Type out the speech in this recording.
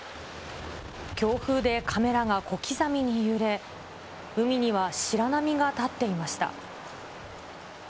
強風でカメラが小刻みに揺れ、海には白波が立っていました。